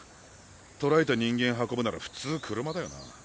捕らえた人間運ぶなら普通車だよな。